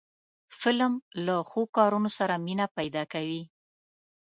فلم له ښو کارونو سره مینه پیدا کوي